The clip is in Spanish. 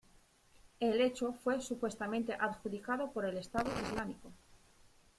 El hecho fue supuestamente adjudicado por el Estado Islámico.